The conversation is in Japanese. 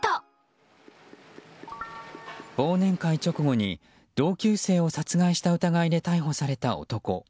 忘年会直後に同級生を殺害した疑いで逮捕された男。